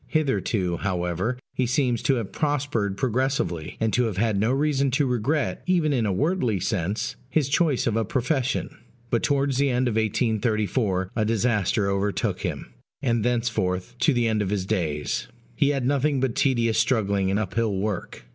Hitherto, however, he seems to have prospered progressively, and to have had no reason to regret, even in a wordly sense, his choice of a profession. But towards the end of 1834 a disaster overtook him; and thenceforth, to the end of his days, he had nothing but tedious struggling and uphill work.